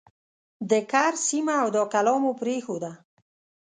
د کرز سیمه او دا کلا مو پرېښوده.